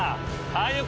はい。